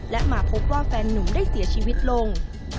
และมาพบว่าแฟนนุ่มได้เสียชีวิตลง